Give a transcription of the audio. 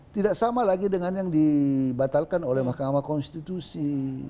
tidak sama lagi dengan yang dibatalkan oleh mahkamah konstitusi